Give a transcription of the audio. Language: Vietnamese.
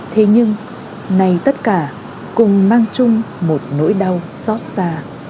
thế nhưng nay tất cả cùng mang chung một nỗi đau xót xa